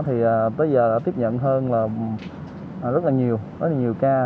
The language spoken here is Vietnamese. thì tới giờ đã tiếp nhận hơn là rất là nhiều rất là nhiều ca